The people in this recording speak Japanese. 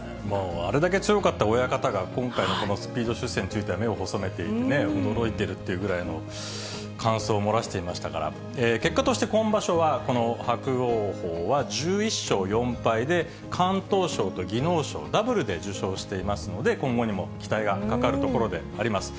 あれだけ強かった親方が今回のこのスピード出世については目を細めていて、驚いてるってぐらいの感想をもらしてましたから、結果として今場所は、この伯桜鵬は１１勝４敗で、敢闘賞と技能賞、ダブルで受賞していますので、今後にも期待がかかるところであります。